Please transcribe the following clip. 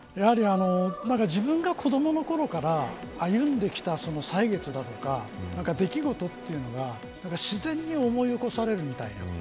自分が子どものころから歩んできた歳月だとか出来事というのが自然に思い起こされるみたいな。